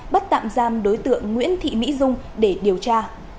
bắt tạm giam đối tượng nguyễn thị mỹ dung để điều tra